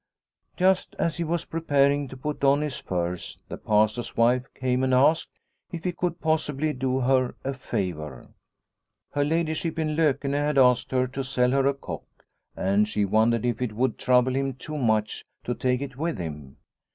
Just as he was preparing to put on his furs the Pastor's wife came and asked if he could possibly do her a favour. Her ladyship in Lokene had asked her to sell her a cock and she wondered if it would trouble him too much to take it with him.